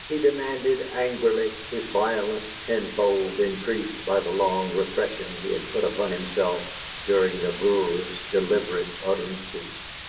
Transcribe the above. he demanded, angrily, his violence tenfold increased by the long repression he had put upon himself during the brewer's deliberate utterances.